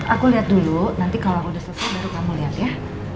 aku liat dulu nanti kalau aku udah selesai baru kamu liat ya